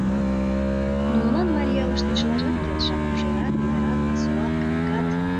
Нунылан марий ялыште чылажат келша: кожерат, эҥерат, пасуат, калыкат.